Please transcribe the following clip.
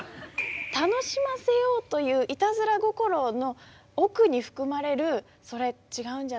楽しませようというイタズラ心の奥に含まれる「それ違うんじゃないの？」っていう気持ち。